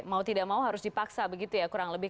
mau tidak mau harus dipaksa begitu ya kurang lebih